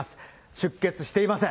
出血していません。